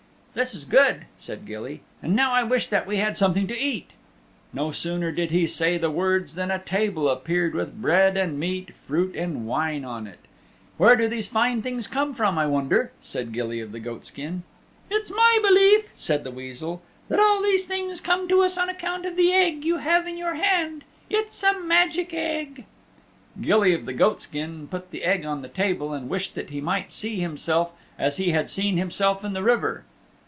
"This is good," said Gilly, "and now I wish that we had something to eat." No sooner did he say the words than a table appeared with bread and meat, fruit and wine on it. "Where do these fine things come from, I wonder," said Gilly of the Goatskin. "It's my belief," said the Weasel, "that all these things come to us on account of the egg you have in your hand. It's a magic egg." Gilly of the Goatskin put the egg on the table and wished that he might see himself as he had seen himself in the river.